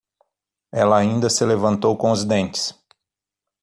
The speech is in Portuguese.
Ela ainda se levantou com os dentes